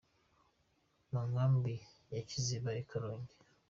mu Nkambi ya Kiziba i Karongi.